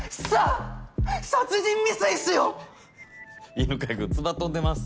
犬飼君つば飛んでます。